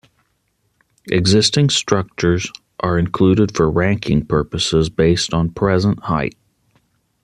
Existing structures are included for ranking purposes based on present height.